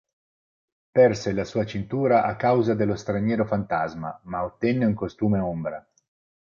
Perse la sua cintura a causa dello Straniero Fantasma, ma ottenne un costume ombra.